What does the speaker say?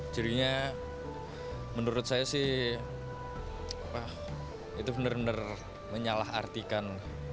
jadinya menurut saya sih itu benar benar menyalah artikan